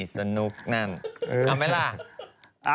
เพิ่งนะเพิ่งนะ